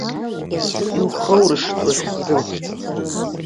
Иухоуршҭуа хьӡым.